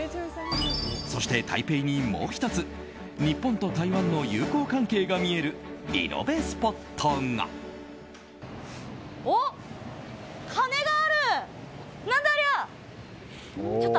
そして台北にもう１つ日本と台湾の友好関係が見えるリノベスポットが。